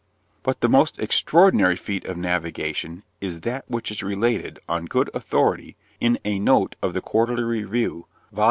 But the most extraordinary feat of navigation is that which is related (on good authority) in a note of the Quarterly Review, vol.